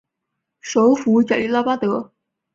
首府贾利拉巴德。